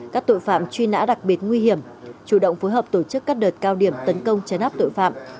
các tội phạm truy nã đặc biệt nguy hiểm chủ động phối hợp tổ chức các đợt cao điểm tấn công chấn áp tội phạm